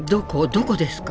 どこですか？